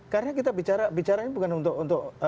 karena kita bicara bicara ini bukan untuk masyarakat